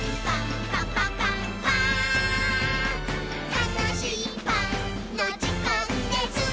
「たのしいパンのじかんです！」